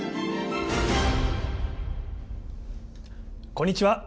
こんにちは。